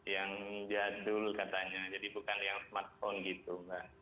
ternyata hp yang jadul katanya jadi bukan yang smartphone gitu